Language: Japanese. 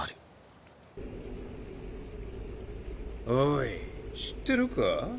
おい知ってるか？